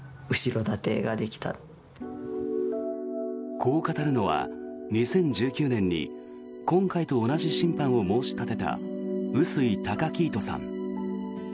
こう語るのは２０１９年に今回と同じ審判を申し立てた臼井崇来人さん。